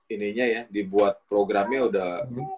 ininya ya dibuat programnya udah